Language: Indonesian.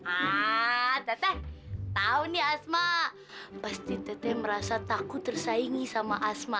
ah teteh tahu nih asma pasti teteh merasa takut tersaingi sama asma